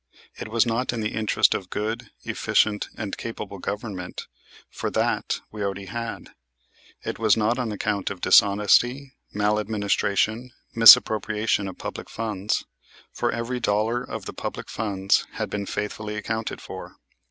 It was not in the interest of good, efficient, and capable government; for that we already had. It was not on account of dishonesty, maladministration, misappropriation of public funds; for every dollar of the public funds had been faithfully accounted for.